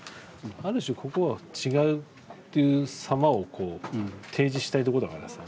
ある種ここは違うっていうさまをこう提示したいとこだからさ。